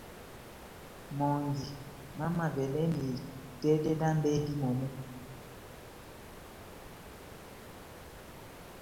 Mɔ́ndí mámavalɛ́ni itɛ́dɛ dá m’bɛ́dí mɔmu.